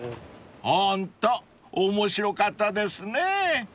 ［ホント面白かったですね］